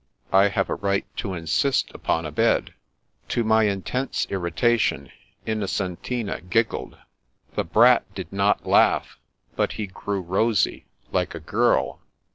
I have a right to insist upon a bed." To my intense irritation Innocentina giggled. The Brat did not laugh, but he grew rosy, like a girl.